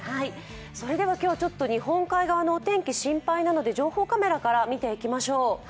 それでは今日、日本海側のお天気心配なので情報カメラから見ていきましょう。